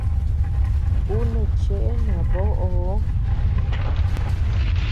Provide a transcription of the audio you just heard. Ú neʼe cheʼe naboʼoo.